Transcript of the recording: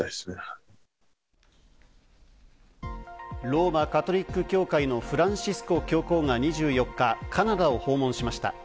ローマ・カトリック教会のフランシスコ教皇が２４日、カナダを訪問しました。